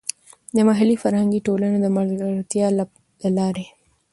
د محلي فرهنګي ټولنې د ملګرتیا له لارې.